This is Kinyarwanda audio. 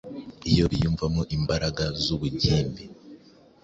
iyo biyumvamo imbaraga z’ubugimbi,